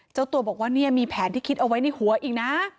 เจ้าตัวบอกว่าเนี่ยมีแผนที่คิดเอาไว้ในหัวอีกนะ